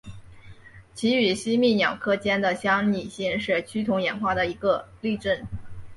其与吸蜜鸟科间的相拟性是趋同演化的一个例证。